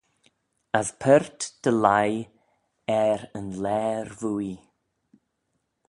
As paart dy lhie er yn laare vooie.